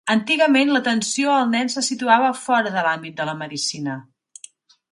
Antigament l'atenció al nen se situava fora de l'àmbit de la medicina.